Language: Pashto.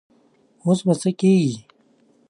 اوس به څه کيږي؟